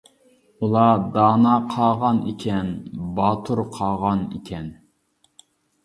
ئۇلار دانا قاغان ئىكەن، باتۇر قاغان ئىكەن.